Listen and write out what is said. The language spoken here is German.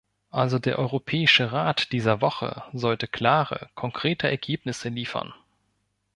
Also der Europäische Rat dieser Woche sollte klare, konkrete Ergebnisse liefern.